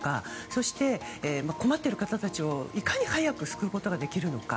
そして、困っている方たちをいかに早く救うことができるのか。